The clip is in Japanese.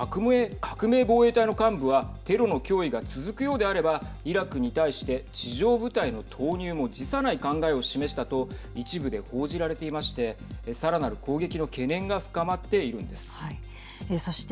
革命防衛隊の幹部はテロの脅威が続くようであればイラクに対して地上部隊の投入も辞さない考えを示したと一部で報じられていましてさらなる攻撃の懸念が深まっているんです。